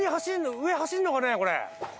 上走るのかねこれ？